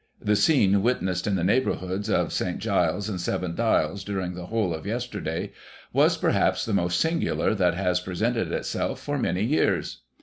— ^The scene witnessed in the neigh bourhoods of St. Giles's and Seven Dials during the whole of yesterday was, perhaps, the most singular that has pre sented itself for many years.